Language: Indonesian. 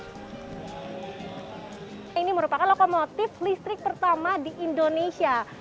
ini merupakan lokomotif listrik pertama di indonesia